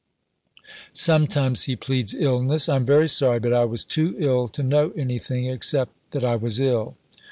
Sometimes he pleads illness. "I am very sorry, but I was too ill to know anything except that I was ill."